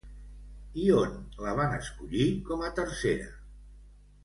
I on la van escollir com a tercera?